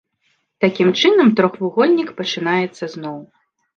Такім чынам трохвугольнік пачынаецца зноў.